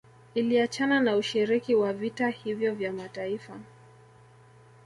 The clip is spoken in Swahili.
Iliachana na ushiriki wa vita hivyo vya mataifa